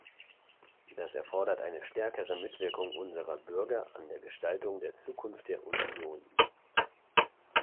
Das erfordert eine stärkere Mitwirkung unserer Bürger an der Gestaltung der Zukunft der Union.